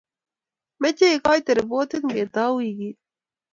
Meche igoite ripotit ngetau weekit---